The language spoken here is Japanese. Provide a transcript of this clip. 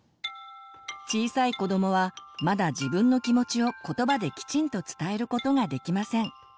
小さい子どもはまだ自分の気持ちを言葉できちんと伝えることができません。